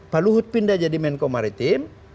pak luhut pindah jadi menko maritim